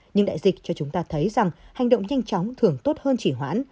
nhưng đại dịch cho chúng ta thấy rằng hành động nhanh chóng thường tốt hơn chỉ hoãn